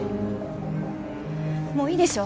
もういいでしょ。